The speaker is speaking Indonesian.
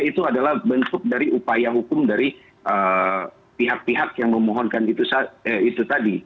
itu adalah bentuk dari upaya hukum dari pihak pihak yang memohonkan itu tadi